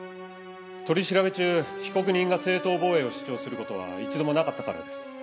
取り調べ中被告人が正当防衛を主張する事は一度もなかったからです。